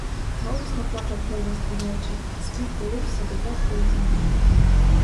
Голосно плакав голос дівочий, спів тулився до теплої землі.